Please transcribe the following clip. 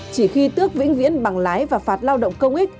chỉ khi tước vĩnh viễn bằng lái và phạt lao động công ích